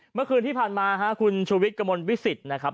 เมื่อคืนที่ผ่านมาคุณชูวิทย์กระมวลวิสิตนะครับ